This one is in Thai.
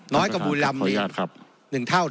น้อยกว่าบุรีรำ๑เท่า